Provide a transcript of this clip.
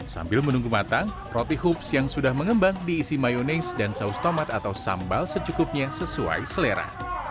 sambil menunggu matang roti hoops yang sudah mengembang diisi mayonaise dan saus tomat atau sambal secukupnya sesuai selera